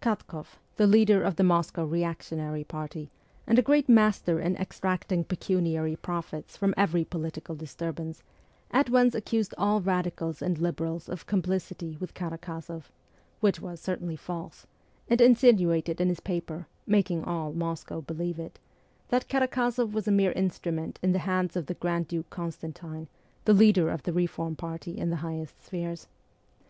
Katk6ff, the leader of the Moscow reactionary party, and a great master in extracting pecuniary profits from every political disturbance, at once accused all radicals and liberals of complicity with Karakozoff which was certainly false and insinuated in his paper making all Moscow believe it that Karakozoff was a mere instrument in the hands of the Grand Duke Constantine, the leader of the reform party in the highest spheres.